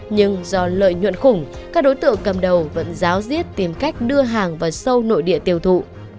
nhưng do lợi nhuận khủng các đối tượng cầm đầu vẫn giáo diết tìm cách đưa hàng vào sâu nội địa tiêu thụ